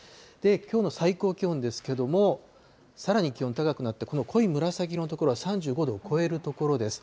きょうの最高気温ですけども、さらに気温高くなって、この濃い紫色の所は３５度を超える所です。